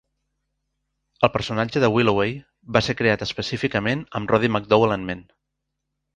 El personatge Willoway va ser creat específicament amb Roddy McDowall en ment.